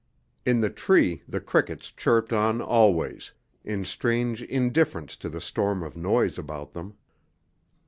In the tree the crickets chirped on always, in strange indifference to the storm of noise about them.